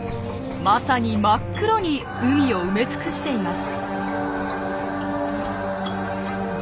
まさに真っ黒に海を埋め尽くしています。